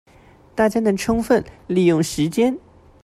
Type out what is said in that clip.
大家能充分利用時間